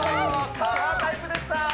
カバータイプでした。